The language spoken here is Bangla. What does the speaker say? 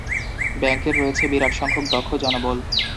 ব্যাংকের রয়েছে বিরাট সংখ্যক দক্ষ জনবল।